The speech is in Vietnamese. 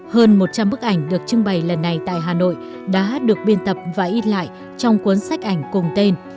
hơn một trăm linh bức ảnh được trưng bày lần này tại hà nội đã được biên tập và in lại trong cuốn sách ảnh cùng tên